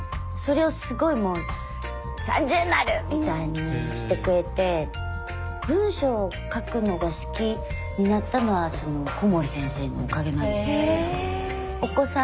それをすごいもう三重丸！みたいにしてくれて文章書くのが好きになったのはそのコモリ先生のおかげなんですよね。